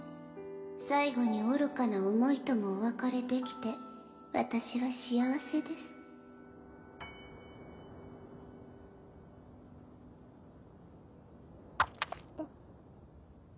最後に愚かな思いともお別れできて私は幸せです・カサッあっ。